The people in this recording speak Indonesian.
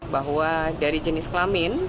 bahwa dari jenis kelamin